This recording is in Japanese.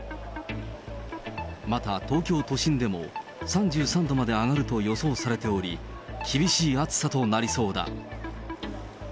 また、東京都心でも３３度まで上がると予想されており、厳しい暑さとなりそうだ。